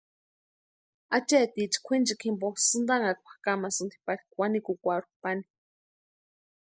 Acheeticha kwʼinchikwa jimpo sïntanhakwa kamansïni pari kwʼanikwarhu pani.